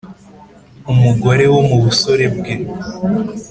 Umugore wo mu busore bwe